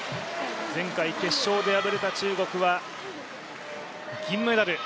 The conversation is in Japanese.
前回決勝で敗れた中国は銀メダル。